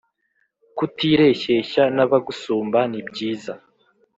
Kutireshyeshya n’abagusumba nibyiza